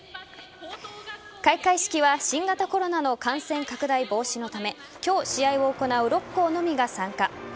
開会式は新型コロナの感染拡大防止のため今日試合を行う６校のみが参加。